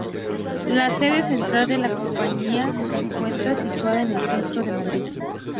La sede central de la compañía se encuentra situada en el centro de Madrid.